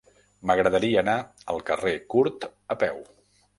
M'agradaria anar al carrer Curt a peu.